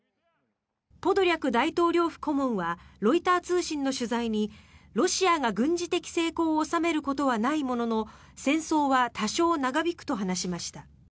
ポドリャク大統領府顧問はロイター通信の取材にロシアが軍事的成功を収めることはないものの戦争は多少長引くと話しました。